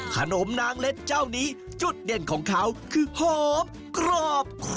ขนมนางเล็ดเจ้านี้จุดเด่นของเขาคือหอมกรอบ